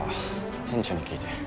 店長に聞いて。